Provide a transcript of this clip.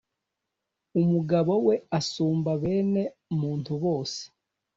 umugabo we asumba bene muntu bose.